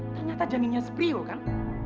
ternyata janinnya sprio kan